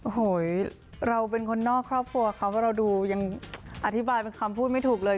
โอ้โหเราเป็นคนนอกครอบครัวเขาเพราะเราดูยังอธิบายเป็นคำพูดไม่ถูกเลย